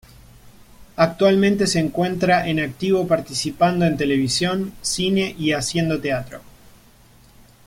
Actualmente se encuentra en activo participando en televisión, cine y haciendo teatro.